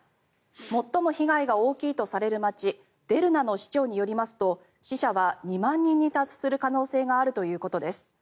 最も被害が大きいとされる街デルナの市長によりますと死者は２万人に達する可能性があるということです。